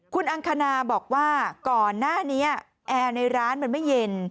คุณอังคณาบอกว่าก่อนหน้านี้แอร์ในร้านมันไม่เย็น